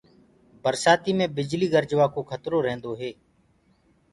برسآتي مي بجلي گرجوآ ڪو کترو رهيندو هي۔